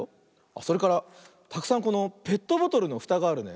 それからたくさんこのペットボトルのふたがあるね。